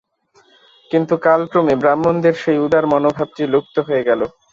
কিন্তু কালক্রমে ব্রাহ্মণদের সেই উদার মনোভাবটি লুপ্ত হয়ে গেল।